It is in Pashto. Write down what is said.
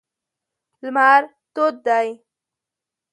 لمر تود دی.